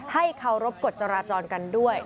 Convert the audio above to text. ให้เคารพกฎจราจรกันด้วย